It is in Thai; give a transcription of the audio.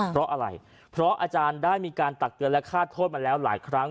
เพราะอะไรเพราะอาจารย์ได้มีการตักเตือนและฆ่าโทษมาแล้วหลายครั้ง